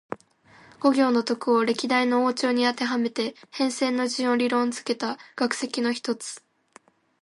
水・火・金・木・土の五つの根元要素が互いに力を減じ合い、水は火に、火は金に、金は木に、木は土に、土は水に勝つという考え方。五行の徳を歴代の王朝にあてはめて変遷の順を理論づけた学説の一つ。